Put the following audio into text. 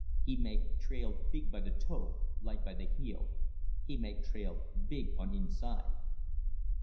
"He make trail big by the toe, light by the heel. He make trail big on inside."